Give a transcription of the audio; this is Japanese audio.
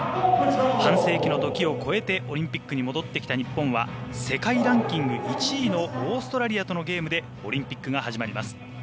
半世紀の時を越えてオリンピックに戻ってきた日本は世界ランキング１位のオーストラリアとのゲームでオリンピックが始まります。